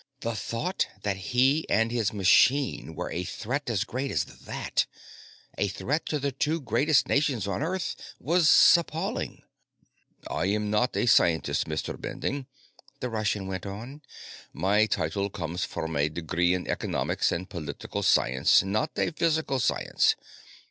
The thought that he and his machine were a threat as great as that, a threat to the two greatest nations of Earth, was appalling. "I am not a scientist, Mr. Bending," the Russian went on. "My title comes from a degree in economics and political science, not in physical science.